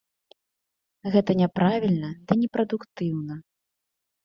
Гэта няправільна ды непрадуктыўна.